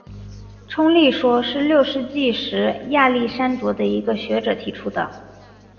冲力说是六世纪时亚历山卓的一个学者提出的。